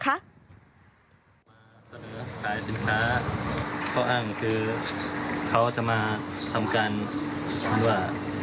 ขายสินค้าเพราะอ้างคือเขาจะมาทำการหรือว่า